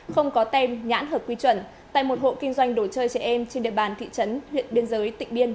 không có tem nhãn hợp quy chuẩn tại một hộ kinh doanh đồ chơi trẻ em trên địa bàn thị trấn huyện biên giới tỉnh biên